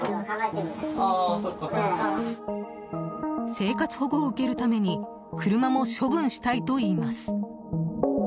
生活保護を受けるために車も処分したいといいます。